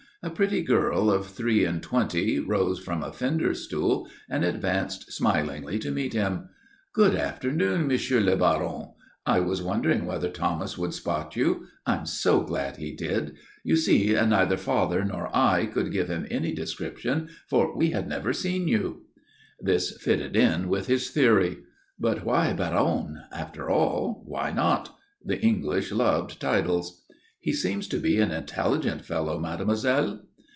A pretty girl of three and twenty rose from a fender stool and advanced smilingly to meet him. "Good afternoon, M. le Baron. I was wondering whether Thomas would spot you. I'm so glad he did. You see, neither father nor I could give him any description, for we had never seen you." This fitted in with his theory. But why Baron? After all, why not? The English loved titles. "He seems to be an intelligent fellow, mademoiselle."